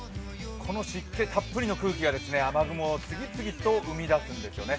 この湿気たっぷりの空気が雨雲を生み出すんですよね。